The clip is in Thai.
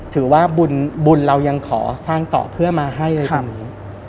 ถือว่าบุญเรายังขอสร้างต่อเพื่อมาให้เลย